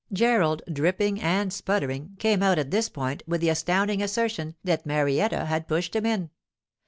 Gerald, dripping and sputtering, came out at this point with the astounding assertion that Marietta had pushed him in.